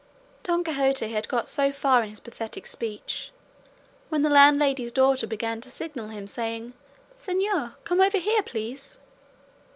Don Quixote had got so far in his pathetic speech when the landlady's daughter began to signal to him, saying, "Señor, come over here, please."